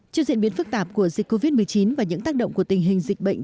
trước diễn biến phức tạp của dịch covid một mươi chín và những tác động của tình hình dịch bệnh